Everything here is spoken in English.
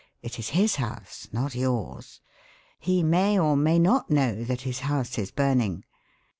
It is his house, not yours. He may or may not know that his house is burning.